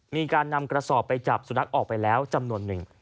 มีการนำกระสอบไปจับสุนัขออกไปแล้วจำนวนหนึ่ง